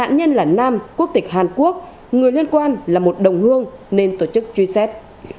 nên là nam quốc tịch hàn quốc người liên quan là một đồng hương nên tổ chức truy xét